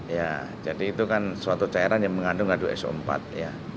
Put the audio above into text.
ya jadi itu kan suatu cairan yang mengandung adu so empat ya